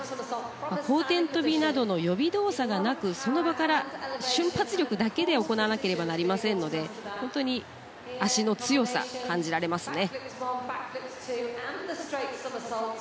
後転とびなどの予備動作がなくその場から瞬発力だけで行わなければいけませんので本当に足の強さを感じられますね。